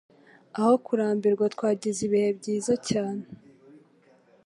Aho kurambirwa, twagize ibihe byiza cyane.